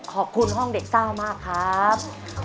ขอบคุณห้องเด็ดเจ้ามากครับ